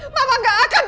mama gak akan